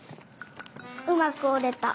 うまくおれた。